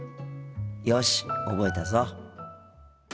よし覚えたぞ。